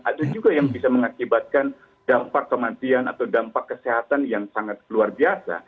ada juga yang bisa mengakibatkan dampak kematian atau dampak kesehatan yang sangat luar biasa